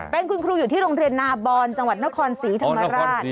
เป็นคุณครูอยู่ที่โรงเรียนนาบอนจังหวัดนครศรีธรรมราช